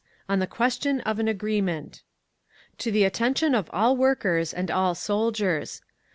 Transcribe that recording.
ON THE QUESTION OF AN AGREEMENT To the Attention of All Workers and All Soldiers.